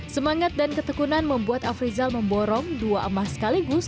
semangat dan ketekunan membuat afrizal memborong dua emas sekaligus